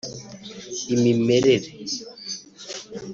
imimerere…